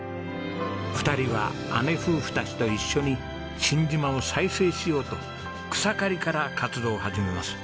２人は姉夫婦たちと一緒に新島を再生しようと草刈りから活動を始めます。